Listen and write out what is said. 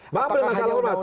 apakah hanya undang undang